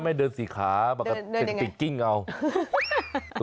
ไม่เดินสี่ขาปกติติ่งกิ้งเอาก่อน